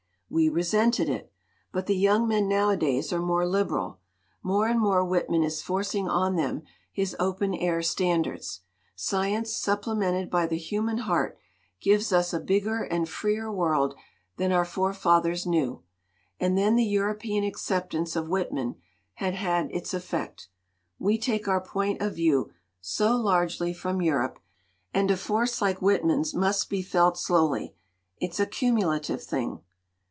"We resented it. But the young men nowa days are more liberal. More and more Whit man is forcing on them his open air standards. Science supplemented by the human heart gives us a bigger and freer world than our forefathers knew. And then the European acceptance of Whitman had had its effect. We take our point of view so largely from Europe. And a force like Whitman's must be felt slowly; it's a cumulative thing."